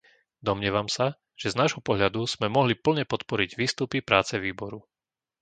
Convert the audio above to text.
Domnievam sa, že z nášho pohľadu sme mohli plne podporiť výstupy práce výboru.